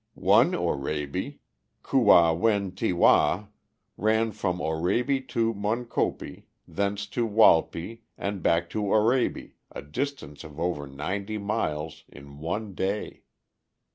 "One Oraibi, Ku wa wen ti wa, ran from Oraibi to Moenkopi, thence to Walpi, and back to Oraibi, a distance of over ninety miles, in one day."